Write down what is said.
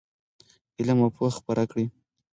علم او پوهه خپره کړئ.